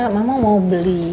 mama mau beli